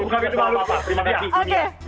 terima kasih dunia